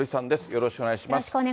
よろしくお願いします。